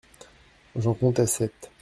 J'en comptai sept.